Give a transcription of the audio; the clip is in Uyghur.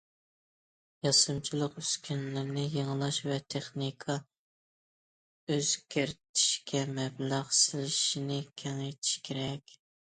ياسىمىچىلىق ئۈسكۈنىلىرىنى يېڭىلاش ۋە تېخنىكا ئۆزگەرتىشكە مەبلەغ سېلىشنى كېڭەيتىش كېرەك.